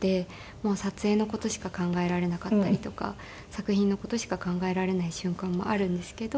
もう撮影の事しか考えられなかったりとか作品の事しか考えられない瞬間もあるんですけど。